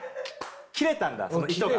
切れたんだ糸が。